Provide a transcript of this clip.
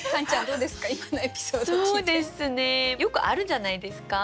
そうですねよくあるじゃないですか。